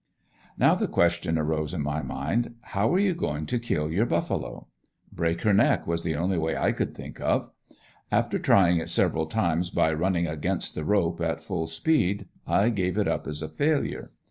Now the question arose in my mind, "how are you going to kill your buffalo?" Break her neck was the only way I could think of; after trying it several times by running "against" the rope at full speed, I gave it up as a failure.